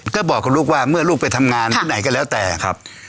ก็บอกกับลูกว่าเมื่อลูกไปทำงานที่ไหนก็แล้วแต่ครับ